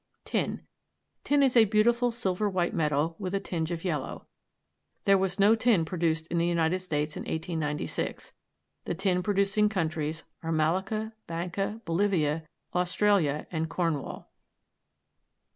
TIN. Tin is a beautiful silver white metal, with a tinge of yellow. There was no tin produced in the United States in 1896. The tin producing countries are Malacca, Banca, Bolivia, Australia, and Cornwall.